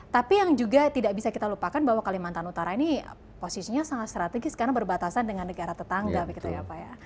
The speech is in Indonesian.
tapi yang juga tidak bisa kita lupakan bahwa kalimantan utara ini posisinya sangat strategis karena berbatasan dengan negara tetangga begitu ya pak ya